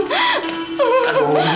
aduh ini kenapa sekarang